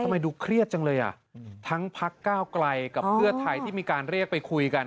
ดูเครียดจังเลยอ่ะทั้งพักก้าวไกลกับเพื่อไทยที่มีการเรียกไปคุยกัน